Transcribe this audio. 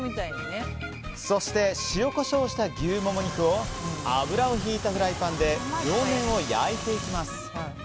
そして塩、コショウした牛モモ肉を油をひいたフライパンで両面を焼いていきます。